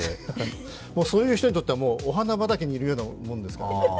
そういう人にとってはお花畑にいるようなことですから。